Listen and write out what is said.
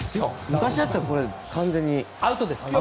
昔だったら完全にアウトですよね。